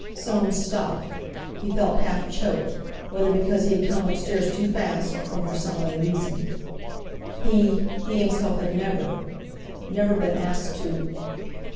Soames stopped; he felt half choked, whether because he had come upstairs too fast, or for some other reason. He—he himself had never—never been asked to....